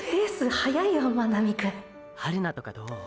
早いよ真波くん榛名とかどお？